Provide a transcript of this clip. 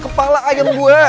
kepala ayam gue